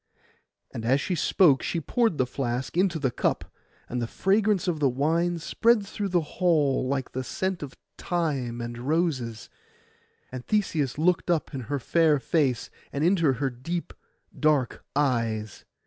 And as she spoke, she poured the flask into the cup; and the fragrance of the wine spread through the hall, like the scent of thyme and roses. And Theseus looked up in her fair face and into her deep dark eyes.